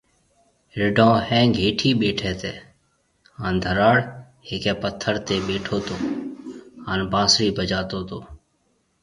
رڍون ۿينگ هيٺي ٻيٺي تي هان ڌراڙ هيڪي پٿر تي ٻيٺو تو هان بانسري بجاتو تو